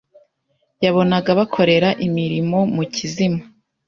yabonaga bakorera imirimo mu kizima